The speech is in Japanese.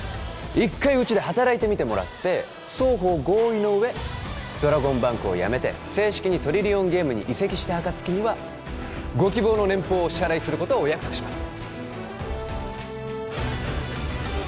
一回うちで働いてみてもらって双方合意の上ドラゴンバンクを辞めて正式にトリリオンゲームに移籍したあかつきにはご希望の年俸をお支払いすることをお約束します